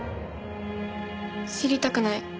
知りたくない。